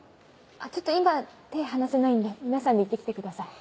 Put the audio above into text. ちょっと今手離せないんで皆さんで行ってきてください。